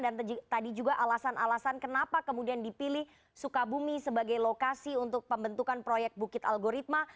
dan tadi juga alasan alasan kenapa kemudian dipilih sukabumi sebagai lokasi untuk pembentukan proyek bukit algoritma